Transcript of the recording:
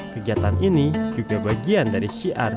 kegiatan ini juga bagian dari syiar